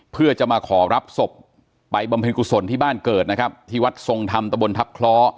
เพื่อจะมาขอรับศพไปบำเพ็ญกุศลที่บ้านเกิดนะครับที่วัดทรงธรรมตะบนทัพคล้อ